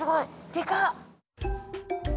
でかっ！